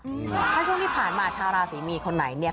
ถ้าช่วงที่ผ่านมาชาวราศีมีนคนไหนเนี่ย